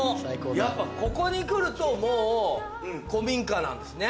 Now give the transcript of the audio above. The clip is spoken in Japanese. やっぱここに来るともう古民家なんですね。